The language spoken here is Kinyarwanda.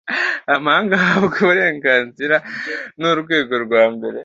amahanga ahabwa uburenganzira n urwego rwa mbere